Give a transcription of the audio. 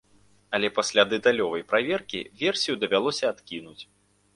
Але пасля дэталёвай праверкі версію давялося адкінуць.